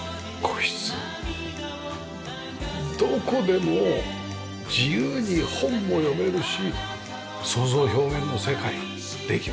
どこでも自由に本も読めるし創造表現の世界にできますもんね。